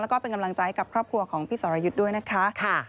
แล้วก็เป็นกำลังใจกับครอบครัวของพี่สรยุทธ์ด้วยนะคะ